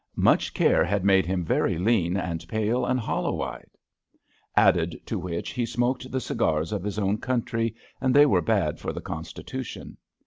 ^* Much * care had made him very lean and pale and hollow eyed/' Added to which he smoked the cigars of his own country, and they were bad for the constitution.